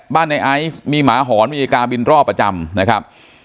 ในไอซ์มีหมาหอนมีอีกาบินรอบประจำนะครับ